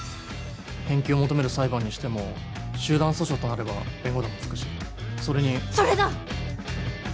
返金を求める裁判にしても集団訴訟となれば弁護団もつくしそれにそれだ！